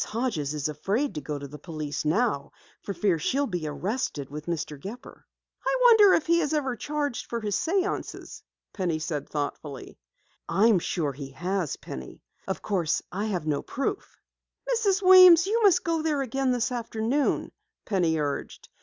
Hodges is afraid to go to the police for fear she'll be arrested with Mr. Gepper." "I wonder if he ever has charged for his séances?" Penny said thoughtfully. "I am sure he has, Penny. Of course I have no proof." "Mrs. Weems, you must go there again this afternoon," Penny urged.